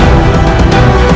aku ingin membela